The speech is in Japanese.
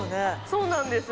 そうなんです。